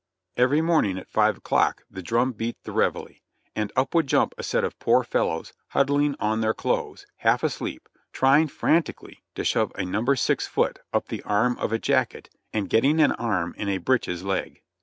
Every morning at 5 o'clock the drum beat the reveille, and up would jump a set of poor fellows huddling on their clothes, half asleep, trying frantically to shove a number six foot up the arm of a jacket and getting an arm in a breeches leg.